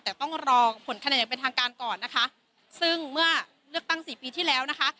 แต่ต้องรอผลคะแนนอย่างเป็นทางการก่อนนะคะซึ่งเมื่อเลือกตั้งสี่ปีที่แล้วนะคะ